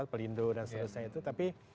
pelindung dan sebagainya itu tapi